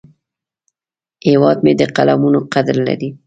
هیواد مې د قلمونو قدر لري